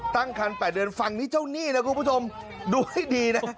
ตั้งคัน๘เดือนฝั่งนี้เจ้าหนี้นะคุณผู้ชมดูให้ดีนะ